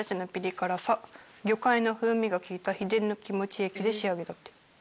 魚介の風味が利いた秘伝のキムチ液で仕上げたって。